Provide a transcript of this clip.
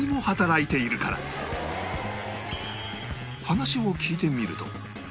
話を聞いてみると